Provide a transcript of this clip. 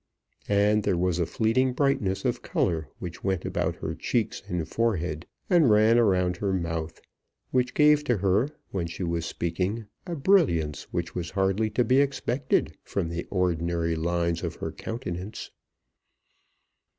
And there was a fleeting brightness of colour which went about her cheeks and forehead, and ran around her mouth, which gave to her when she was speaking a brilliance which was hardly to be expected from the ordinary lines of her countenance.